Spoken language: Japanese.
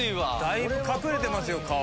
だいぶ隠れてますよ顔。